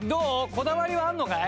こだわりはあるのかい？